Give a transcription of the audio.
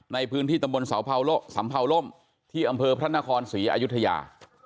ในพื้นที่ตำบลสัมเภาล่มที่อำเภอพระนครศรีอายุทยา